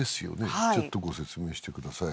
はいちょっとご説明してください